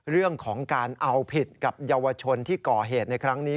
เรื่องของการเอาผิดกับเยาวชนที่ก่อเหตุในครั้งนี้